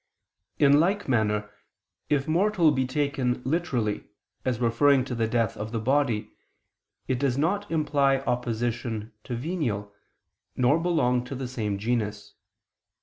In like manner if mortal be taken literally as referring to the death of the body, it does not imply opposition to venial, nor belong to the same genus.